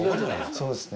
そうですね。